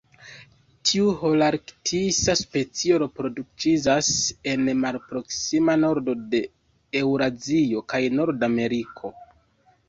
Tiu holarktisa specio reproduktiĝas en malproksima nordo de Eŭrazio kaj Norda Ameriko.